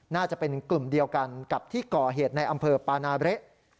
น่าจะเป็นกลุ่มเดียวกันกับที่ก่อเหตุในอำเภอปานาเละ